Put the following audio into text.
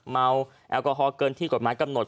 แอลกอฮอลเกินที่กฎหมายกำหนด